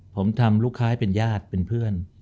ผมทำลูกค้าให้เป็นญาติเป็นเพื่อน